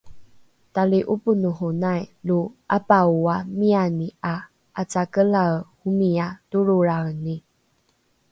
tali’oponohonai lo “apaaoa” miani ’a ’acakelae omia toloraeni